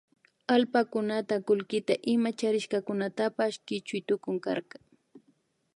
Allpakunata kullkita ima charishkakunatapash kichuy tukunkarka